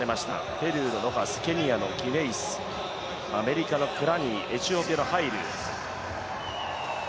ペルーのロハス、ケニアの選手、アメリカのクラニーエチオピアのハイル。